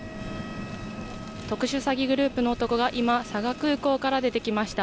特殊詐欺グループの男が今、佐賀空港から出てきました。